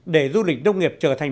để du lịch nông nghiệp trở thành